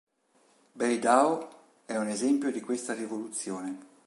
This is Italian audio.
Bei Dao è un esempio di questa rivoluzione.